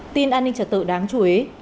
tin an ninh trật tự đáng chú ý